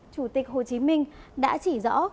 chủ tịch hồ chí minh đã chỉ rõ